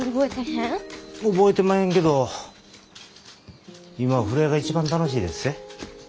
覚えてまへんけど今は風呂屋が一番楽しいでっせ。